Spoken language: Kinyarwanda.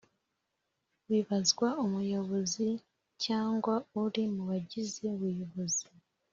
Bibazwa umuyobozi cyangwa uri mu bagize ubuyobozi